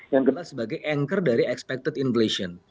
yang kedua sebagai anchor dari expected inflation